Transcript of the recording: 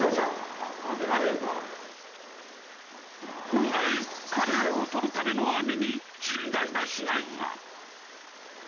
本来カレイをとるための網に甚大な被害が。